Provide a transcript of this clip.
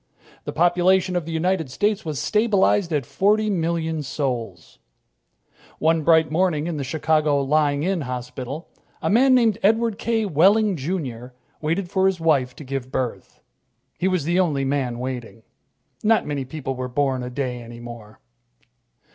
The population of the United States was stabilized at forty million souls. One bright morning in the Chicago Lying in Hospital, a man named Edward K. Wehling, Jr., waited for his wife to give birth. He was the only man waiting. Not many people were born a day any more.